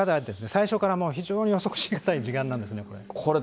最初から非常に予測し難かった事案なんですね、これ。